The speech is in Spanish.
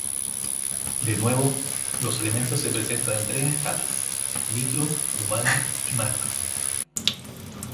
De nuevo, los elementos se presentan en tres escalas: micro, humana y macro.